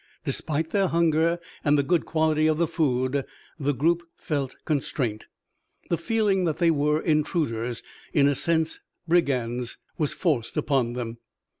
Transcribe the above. Despite their hunger and the good quality of the food the group felt constraint. The feeling that they were intruders, in a sense brigands, was forced upon them.